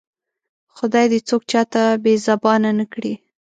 خدای دې څوک چاته بې زبانه نه کړي